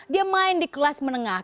dia main di kelas menengah